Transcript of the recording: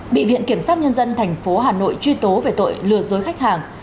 bị viện kiểm sát nhân dân tp hà nội truy tố về tội lừa dối khách hàng